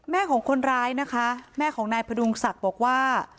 ของคนร้ายนะคะแม่ของนายพดุงศักดิ์บอกว่า